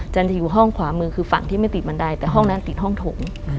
จะอยู่ห้องขวามือคือฝั่งที่ไม่ติดบันไดแต่ห้องนั้นติดห้องโถง